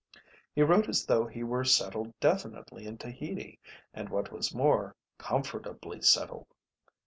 He wrote as though he were settled definitely in Tahiti, and what was more, comfortably settled.